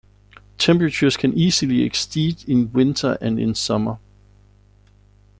Temperatures can easily exceed in winter and in summer.